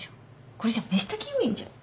これじゃ飯炊き要員じゃん。